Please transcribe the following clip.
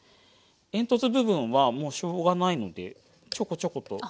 煙突部分はもうしょうがないのでちょこちょこと。